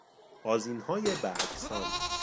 آذینهای برگسان